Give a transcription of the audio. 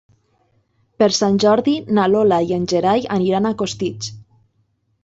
Per Sant Jordi na Lola i en Gerai aniran a Costitx.